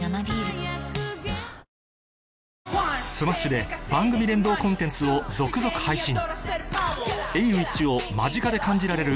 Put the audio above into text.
ｓｍａｓｈ．で番組連動コンテンツを続々配信